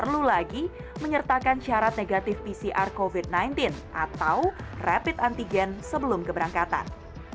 perlu lagi menyertakan syarat negatif pcr covid sembilan belas atau rapid antigen sebelum keberangkatan